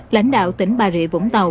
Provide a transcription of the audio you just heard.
lãnh đạo tỉnh bà rịa vũng tàu